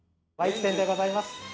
わいず天でございます。